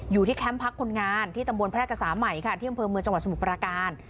อยู่ที่แคมป์พักคนงานที่ตำวนพระราชกษามัยค่ะที่กำเภอเมืองจังหวัดสมุกปราการ